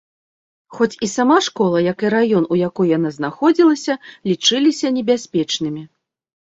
Хоць сама школа, як і раён, у якой яна знаходзілася, лічыліся небяспечнымі.